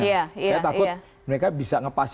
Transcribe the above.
saya takut mereka bisa ngepas